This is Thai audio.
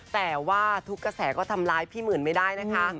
แต่ว่าทุกกระแสก็ทำร้ายพี่หมื่นไม่ได้นะคะ